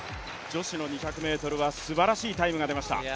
女子の２００ｍはすばらしいタイムが出ました。